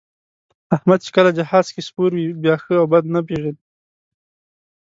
احمد چې کله جهاز کې سپور وي، بیا ښه او بد نه پېژني.